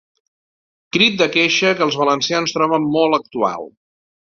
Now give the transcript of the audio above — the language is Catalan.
Crit de queixa que els valencians troben molt actual.